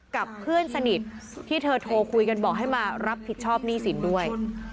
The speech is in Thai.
กับเพื่อนสนิทที่เธอโทรคุยกันบอกให้มารับผิดชอบหนี้สินด้วย